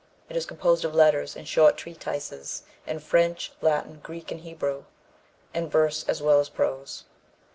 It is composed of letters and short treatises in French, Latin, Greek and Hebrew in verse as well as prose.